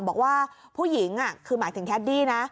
บอกว่าผู้หญิงคือหมายถึงแคดดี้นะ